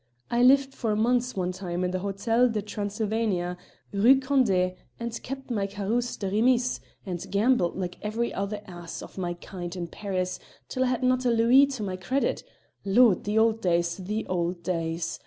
I lived for months one time in the Hôtel de Transylvania, Rue Condé, and kept my carosse de remise, and gambled like every other ass of my kind in Paris till I had not a louis to my credit. Lord! the old days, the old days!